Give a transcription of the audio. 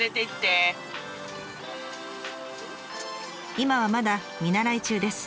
今はまだ見習い中です。